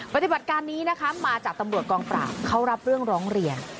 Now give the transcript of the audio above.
ปฏิบัติการนี้นะคะมาจากตำรวจกองปราบเขารับเรื่องร้องเรียน